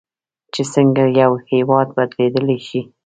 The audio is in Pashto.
چې څنګه یو هیواد بدلیدلی شي.